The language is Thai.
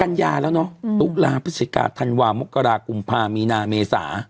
กัญญาแล้วเนอะตุลาพฤศจิกาธันวามกรากุมภามีนาเมษา